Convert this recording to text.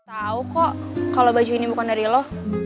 tau kok kalo baju ini bukan dari lo